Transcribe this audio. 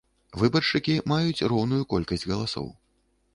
Выбаршчыкі маюць роўную колькасць галасоў.